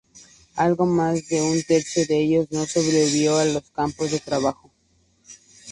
Algo más de un tercio de ellos no sobrevivió a los campos de trabajo.